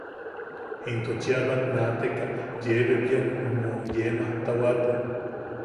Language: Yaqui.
Into cheʼa bat naateka yee bebian umuʼu yee majmajtawapo.